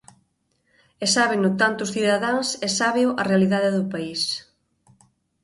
E sábeno tanto os cidadáns e sábeo a realidade do país.